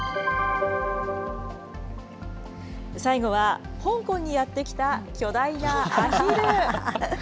最後は香港にやって来た巨大なアヒル。